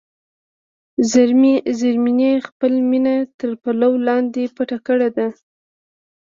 زرمینې خپله مینه تر پلو لاندې پټه کړې ده.